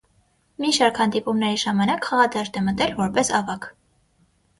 Մի շարք հանդիպումների ժամանակ խաղադաշտ է մտել որպես ավագ։